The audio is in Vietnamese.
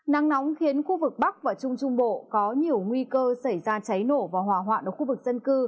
nắng nóng khiến khu vực bắc và trung trung bộ có nhiều nguy cơ xảy ra cháy nổ và hỏa hoạn ở khu vực dân cư